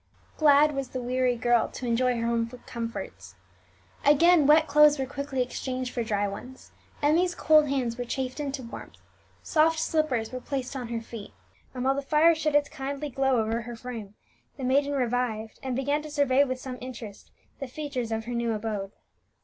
Glad was the weary girl to enjoy her home comforts again. Wet clothes were quickly exchanged for dry ones; Emmie's cold hands were chafed into warmth; soft slippers were placed on her feet; and while the fire shed its kindly glow over her frame, the maiden revived, and began to survey with some interest the features of her new abode.